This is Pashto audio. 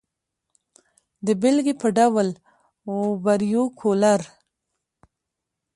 د بېلګې په ډول وبریو کولرا.